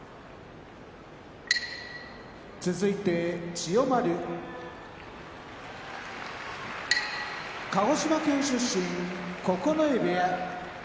千代丸鹿児島県出身九重部屋